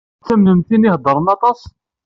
Tettamnemt tin i iheddṛen aṭas?